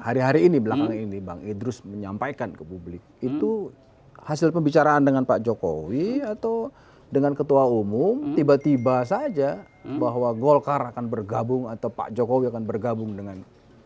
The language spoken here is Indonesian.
hari hari ini belakangan ini bang idrus menyampaikan ke publik itu hasil pembicaraan dengan pak jokowi atau dengan ketua umum tiba tiba saja bahwa golkar akan bergabung atau pak jokowi akan bergabung dengan